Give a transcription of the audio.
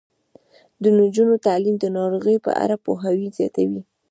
د نجونو تعلیم د ناروغیو په اړه پوهاوی زیاتوي.